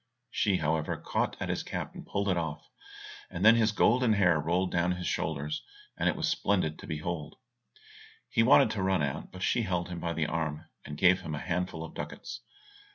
She, however, caught at his cap and pulled it off, and then his golden hair rolled down on his shoulders, and it was splendid to behold. He wanted to run out, but she held him by the arm, and gave him a handful of ducats.